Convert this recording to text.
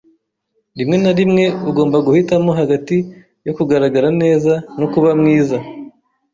Rimwe na rimwe ugomba guhitamo hagati yo kugaragara neza no kuba mwiza.